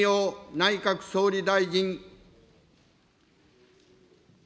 内閣総理大臣。